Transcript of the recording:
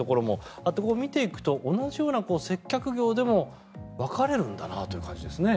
こうやって見ていくと同じような接客業でも分かれるんだなという感じですね。